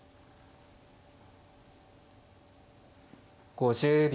５０秒。